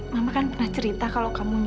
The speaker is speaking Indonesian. mama kan pernah cerita kalau kamu